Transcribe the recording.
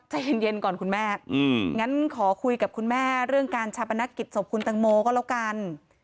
ใจเย็นก่อนคุณแม่งั้นขอคุยกับคุณแม่เรื่องการชาปนกิจศพคุณตังโมก็แล้วกัน